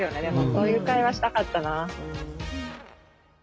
そういう会話したかったな。